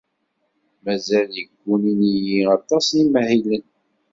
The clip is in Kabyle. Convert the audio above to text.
Mazal ggunin-iyi aṭas n yimahilen.